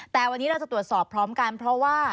แต่วันนี้เราจะตรวจสอบพร้อมกันเพราะว่า